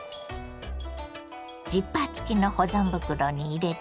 ジッパー付きの保存袋に入れてね。